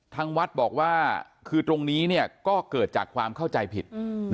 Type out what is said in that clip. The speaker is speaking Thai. ทางวัดบอกว่าคือตรงนี้ก็เกิดจากความเข้าใจผิด